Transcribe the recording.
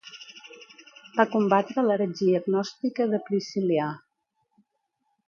Va combatre l'heretgia gnòstica de Priscil·lià.